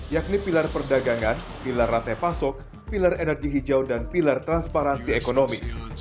yakni pilar perdagangan pilar rantai pasok pilar energi hijau dan pilar transparansi ekonomi